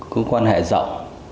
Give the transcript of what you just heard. cũng quan hệ rộng